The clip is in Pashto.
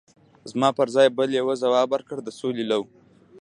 زما پر ځای بل یوه ځواب ورکړ: د سولې لوا.